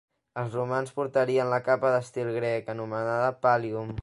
Els romans portarien la capa d'estil grec, anomenada "pallium".